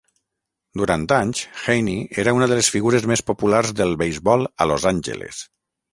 Durant anys, Haney era una de les figures més populars del beisbol a Los Angeles.